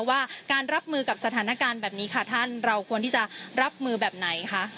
ว่าการรับมือกับสถานการณ์แบบนี้ค่ะท่านเราควรที่จะรับมือแบบไหนคะ